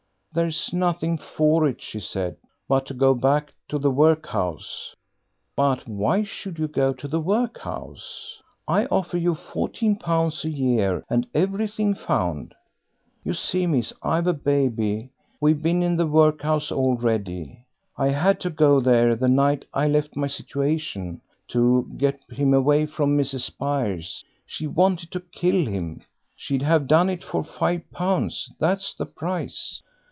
"There's nothing for it," she said, "but to go back to the workhouse." "But why should you go to the workhouse? I offer you fourteen pounds a year and everything found." "You see, miss, I've a baby; we've been in the workhouse already; I had to go there the night I left my situation, to get him away from Mrs. Spires; she wanted to kill him; she'd have done it for five pounds that's the price.